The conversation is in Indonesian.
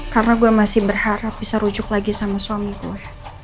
karena gue masih berharap bisa rujuk lagi sama suami gue